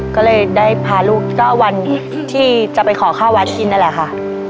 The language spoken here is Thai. ก็เลยได้พาลูกก็วันที่จะไปขอข้าววัดกินนั่นแหละค่ะ